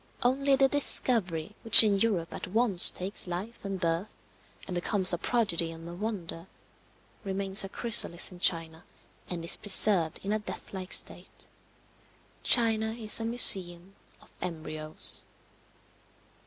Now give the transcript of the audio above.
Only the discovery which in Europe at once takes life and birth, and becomes a prodigy and a wonder, remains a chrysalis in China, and is preserved in a deathlike state. China is a museum of embryos.